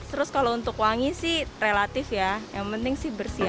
terus kalau untuk wangi sih relatif ya yang penting sih bersih ya